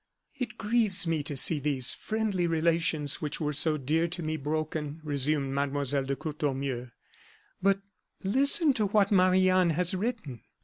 "It grieves me to see these friendly relations, which were so dear to me, broken," resumed Mlle. de Courtornieu. "But listen to what Marie Anne has written."